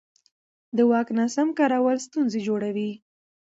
د واک ناسم کارول ستونزې جوړوي